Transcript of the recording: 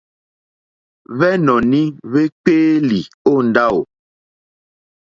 Hwɛ́nɔ̀ní hwékpéélì ó ndáwò.